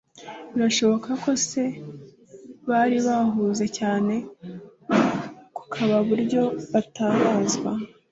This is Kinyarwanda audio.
Birashoboka ko ba se bari bahuze cyane kukazi kuburyo batabazwa